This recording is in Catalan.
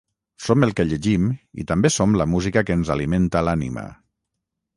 Som el que llegim i també som la música que ens alimenta l’ànima.